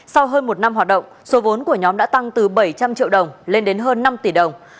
sau hơn một năm hoạt động số vốn của nhóm đã tăng từ bảy trăm linh triệu đồng lên đến hơn năm tỷ đồng